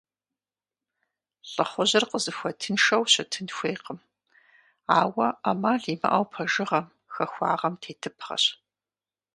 Лӏыхъужьыр къызыхуэтыншэу щытын хуейкъым, ауэ ӏэмал имыӏэу пэжыгъэм, хахуагъэм тетыпхъэщ.